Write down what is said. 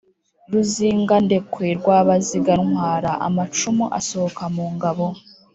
Ruzingandekwe rwa Baziga ntwara amacumu asohoka mu ngabo,